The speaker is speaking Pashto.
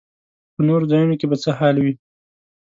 په نورو ځایونو کې به څه حال وي.